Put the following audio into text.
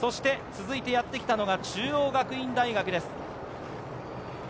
続いてやってきたのが中央学院大学です。